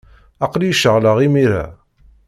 Aql-iyi ceɣleɣ imir-a.